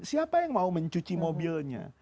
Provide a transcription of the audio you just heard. siapa yang mau mencuci mobilnya